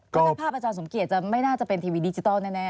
ก็ถ้าภาพอาจารย์สมเกียจจะไม่น่าจะเป็นทีวีดิจิทัลแน่